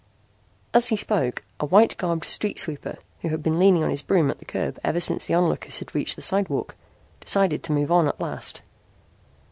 As he spoke a white garbed street sweeper, who had been leaning on his broom at the curb ever since the onlookers had reached the sidewalk, decided to move on at last.